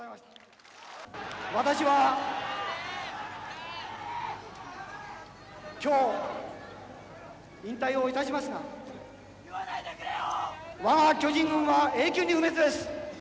私は今日、引退をいたしますがわが巨人軍は永久に不滅です！